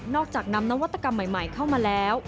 จากนำนวัตกรรมใหม่เข้ามาแล้ว